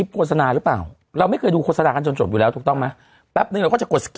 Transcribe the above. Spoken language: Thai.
โฆษณาหรือเปล่าเราไม่เคยดูโฆษณากันจนจบอยู่แล้วถูกต้องไหมแป๊บนึงเราก็จะกดสก